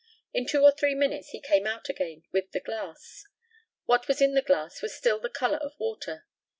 In two or three minutes he came out again with the glass. What was in the glass was still the colour of water.